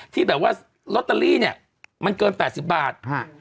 ที่แบบว่าลอตเตอรี่เนี่ยมันเกิน๘๐บาท